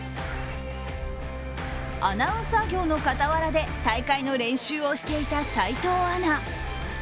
アナウンサー業の傍らで大会の練習をしていた齋藤アナ。